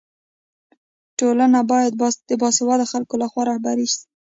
ټولنه باید د باسواده خلکو لخوا رهبري سي.